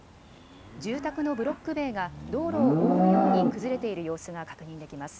住宅のブロック塀が道路を覆うように崩れている様子が確認できます。